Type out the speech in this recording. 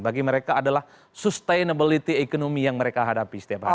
bagi mereka adalah sustainability ekonomi yang mereka hadapi setiap hari